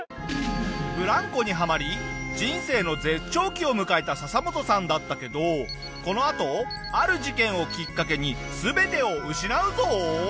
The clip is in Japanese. ブランコにはまり人生の絶頂期を迎えたササモトさんだったけどこのあとある事件をきっかけに全てを失うぞ！